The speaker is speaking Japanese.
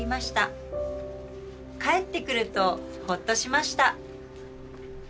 かえってくるとほっとしました」。